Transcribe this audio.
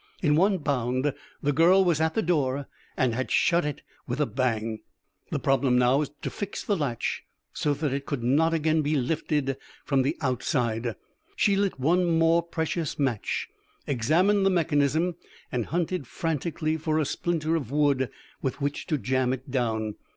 In one bound the girl was at the door and had shut it with a bang. The problem was now to fix the latch so that it could not again be lifted from the outside. She lit one more precious match, examined the mechanism, and hunted frantically for a splinter of wood with which to jam it down.